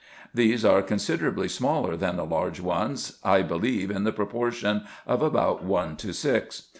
These are considerably smaller than the large ones, I believe in the proportion of about one to six.